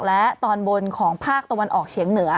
และตอนบนของภาคตะวันออกเฉียงเหนือ